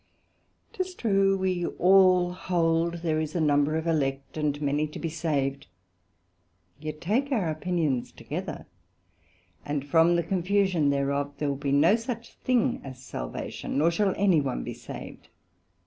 'Tis true, we all hold there is a number of Elect, and many to be saved; yet take our Opinions together, and from the confusion thereof there will be no such thing as salvation, nor shall any one be saved.